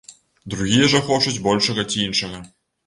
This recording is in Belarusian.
Другія жа хочуць большага ці іншага.